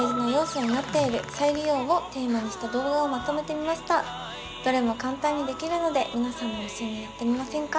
今回はどれも簡単にできるので皆さんも一緒にやってみませんか？